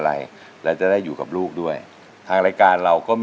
ไหวครับ